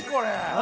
何？